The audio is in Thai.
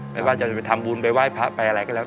ไม่ว่าจะไปทำบุญไปไหว้พระไปอะไรก็แล้ว